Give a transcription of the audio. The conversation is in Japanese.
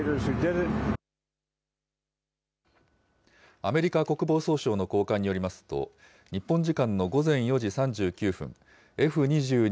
アメリカ国防総省の高官によりますと、日本時間の午前４時３９分、Ｆ２２